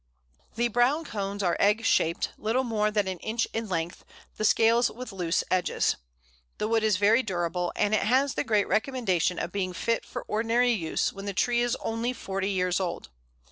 The brown cones are egg shaped, little more than an inch in length, the scales with loose edges. The wood is very durable, and it has the great recommendation of being fit for ordinary use when the tree is only forty years old.